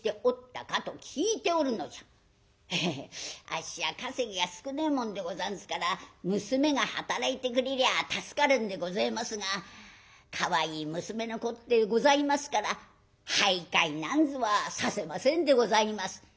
「ヘヘあっしは稼ぎが少ねえもんでござんすから娘が働いてくれりゃあ助かるんでごぜえますがかわいい娘のこってえございますから灰買なんぞはさせませんでございます」。